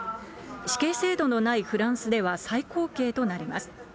死刑制度のないフランスでは、最高刑となります。